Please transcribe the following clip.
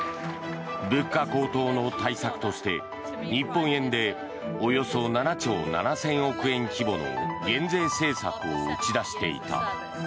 物価高騰の対策として日本円でおよそ７兆７０００億円規模の減税政策を打ち出していた。